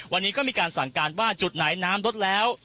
วันนี้ก็มีการสั่งการว่าจุดไหนน้ำลดแล้ว